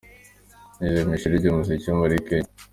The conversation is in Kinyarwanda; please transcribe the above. Yize mu ishuri ry’umuziki muri Kenya.